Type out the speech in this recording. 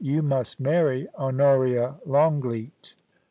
*YOU MUST MARRY HONORIA LONGLEAT.